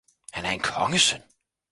han er en kongesøn!